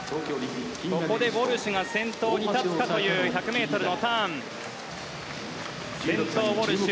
ここでウォルシュが先頭に立つかという１００ｍのターンは先頭はウォルシュ。